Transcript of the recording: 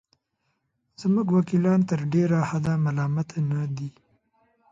زموږ وکیلان تر ډېره حده ملامت نه دي.